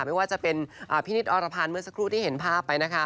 ไม่ว่าจะเป็นพี่นิดอรพันธ์เมื่อสักครู่ที่เห็นภาพไปนะคะ